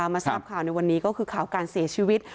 มาทราบข่าวในวันนี้ก็คือข่าวการเสียชีวิต